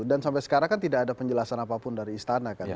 dan sampai sekarang kan tidak ada penjelasan apapun dari istana kan